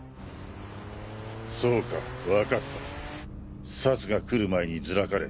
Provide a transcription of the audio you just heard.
そうかわかったサツが来る前にズラかれ。